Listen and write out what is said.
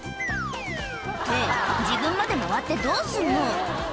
って、自分まで回ってどうすんの？